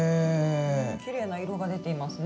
きれいな色が出ていますね。